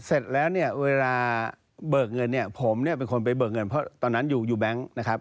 เสร็จแล้วเนี่ยเวลาเบิกเงินเนี่ยผมเนี่ยเป็นคนไปเบิกเงินเพราะตอนนั้นอยู่อยู่แก๊งนะครับ